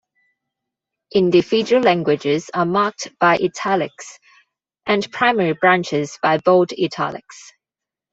Individual languages are marked by "italics", and primary branches by bold italics.